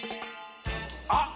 あっ！